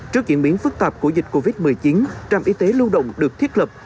trước diễn biến phức tạp của dịch covid một mươi chín trạm y tế lưu động được thiết lập